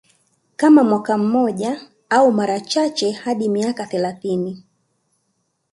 Kama mwaka mmoja au mara chache hadi miaka thelathini